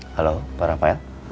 halo pak rafael